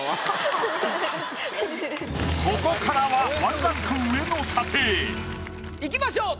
ここからはいきましょう。